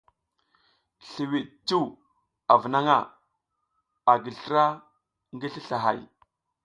Sliwiɗ cuw avunaƞʼha, a gi slra ngi sli slahay.